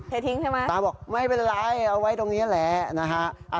ทิ้งใช่ไหมตาบอกไม่เป็นไรเอาไว้ตรงนี้แหละนะฮะ